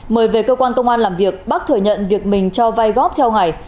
mời về cơ quan công an làm việc bác thừa nhận việc mình cho vai góp theo ngày